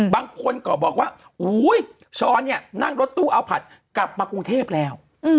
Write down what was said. บางคนก็บอกว่าช้อนเนี่ยนั่งรถตู้เอาผัดกลับมากรุงเทพแล้ว